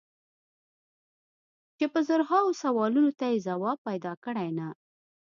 چې په زرهاوو سوالونو ته یې ځواب پیدا کړی که نه.